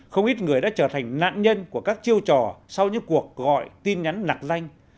không ít người đã trở thành nạn nhân của các chiêu trò sau những cuộc gọi tin nhắn nạc danh